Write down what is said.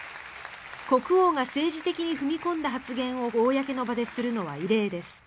国王が政治的に踏み込んだ発言を公の場でするのは異例です。